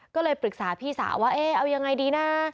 ก็เลยปรึกษาพี่สาวว่าเอ๊ะเอายังไงดีนะ